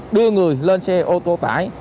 đưa người lên xe ô tô tải